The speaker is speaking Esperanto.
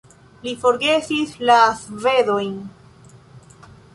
Li forgesis la svedojn.